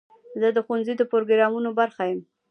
زه د ښوونځي د پروګرامونو برخه یم.